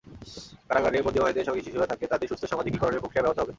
কারাগারে বন্দী মায়েদের সঙ্গে শিশুরা থাকলে তাদের সুস্থ সামাজিকীকরণের প্রক্রিয়া ব্যাহত হবে।